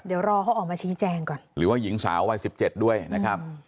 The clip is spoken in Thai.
เดี๋ยวรอเขาออกมาชี้แจงก่อนหรือว่าหญิงสาววัยสิบเจ็ดด้วยนะครับ